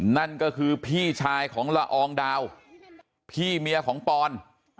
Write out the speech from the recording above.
นั่นก็คือพี่ชายของละอองดาวพี่เมียของปอน